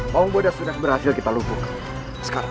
kekuatan raden walang susang